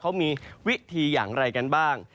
เขามีวิธีอย่างไรกันบ้าง